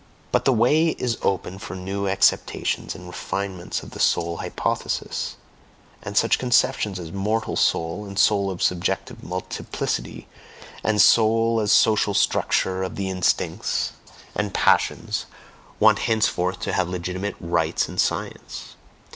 But the way is open for new acceptations and refinements of the soul hypothesis; and such conceptions as "mortal soul," and "soul of subjective multiplicity," and "soul as social structure of the instincts and passions," want henceforth to have legitimate rights in science.